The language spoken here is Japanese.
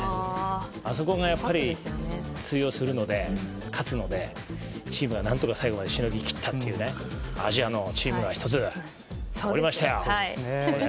あそこが、やっぱり通用するので勝つのでチームが何とか最後までしのぎきったというねアジアのチームが１つ取りましたよ、これでね。